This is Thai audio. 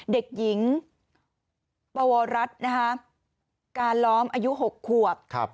เด็กหญิงปวรัฐกาล้อมอายุ๖ขวบ